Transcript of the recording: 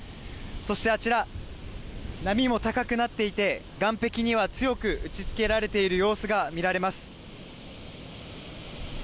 そしてあちら波も高くなっていて岸壁には強く打ちつけられている様子が見られます。